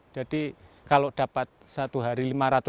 jadi kalau dapat satu hari lima ratus